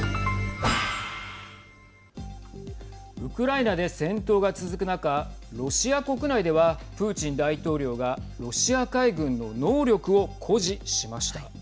ウクライナで戦闘が続く中ロシア国内ではプーチン大統領がロシア海軍の能力を誇示しました。